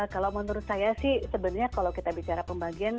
kalau menurut saya sih sebenarnya kalau kita bicara pembagian